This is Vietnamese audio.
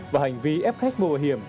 và hành vi ép khách mua bảo hiểm